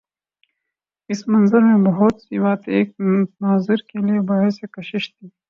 اس منظر میں بہت سی باتیں ایک ناظر کے لیے باعث کشش تھیں۔